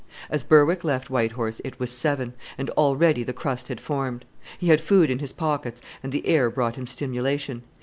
As Berwick left White Horse it was seven, and already the crust had formed. He had food in his pockets, and the air brought him stimulation.